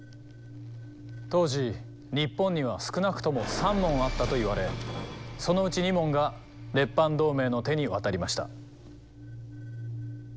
当時日本には少なくとも３門あったといわれそのうち２門が列藩同盟の手に渡りました。